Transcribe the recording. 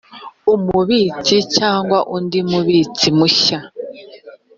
umubitsi cyangwa undi mubitsi mushya